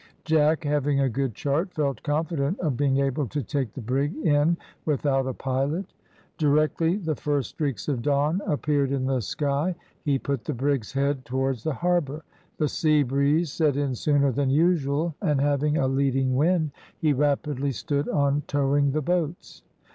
Jack, having a good chart, felt confident of being able to take the brig in without a pilot. Directly the first streaks of dawn appeared in the sky, he put the brig's head towards the harbour. The sea breeze set in sooner than usual, and, having a leading wind, he rapidly stood on towing the boats.